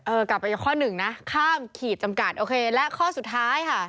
กลับไปข้อหนึ่งนะข้ามขีดจำกัดโอเคและข้อสุดท้ายค่ะ